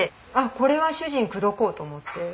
これは主人を口説こうと思って。